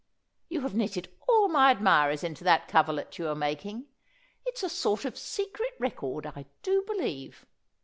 You have knitted all my admirers into that coverlet you are making. It's a sort of secret record, I do believe."